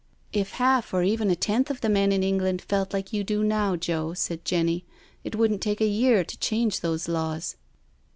'*" If half, or even a tenth, of the men in England felt like you do now^ Joe," said Jenny^ " it wouldn't take a year to change those laws."